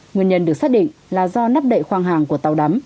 nguyên nhân được xác định là do nắp đậy khoang hàng của tàu đắm